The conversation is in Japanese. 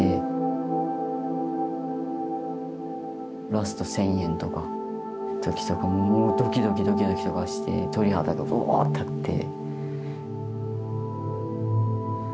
ラスト１，０００円とか時とかもうドキドキドキドキとかして鳥肌がブワー立って。